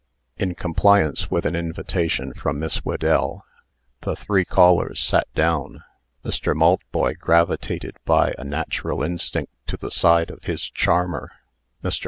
In compliance with an invitation from Miss Whedell, the three callers sat down. Mr. Maltboy gravitated by a natural instinct to the side of his charmer. Mr.